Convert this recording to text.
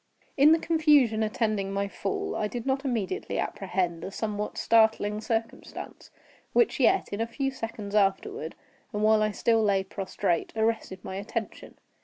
In the confusion attending my fall, I did not immediately apprehend a somewhat startling circumstance, which yet, in a few seconds afterward, and while I still lay prostrate, arrested my attention.